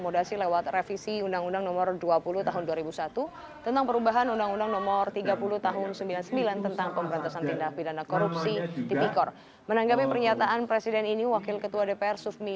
dan itu kita apresiasi